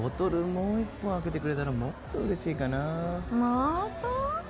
もう一本あけてくれたらもっと嬉しいかなまた？